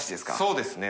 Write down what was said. そうですね。